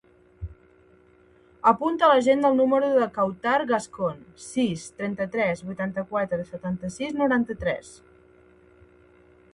Apunta a l'agenda el número de la Kawtar Gascon: sis, trenta-tres, vuitanta-quatre, setanta-sis, noranta-tres.